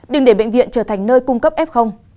đừng để bệnh viện trở thành nơi cung cấp f